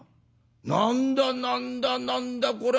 何だ何だ何だこりゃ。